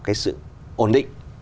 cái sự ổn định